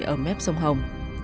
ở mép sông hồng